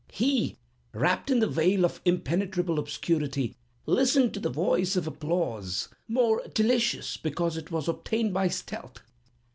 He, wrapped in the veil of impenetrable obscurity, listened to the voice of applause, more delicious because it was obtained by stealth.